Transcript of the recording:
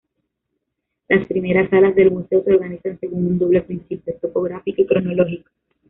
Las primeras salas del museo se organizan según un doble principio: topográfico y cronológico.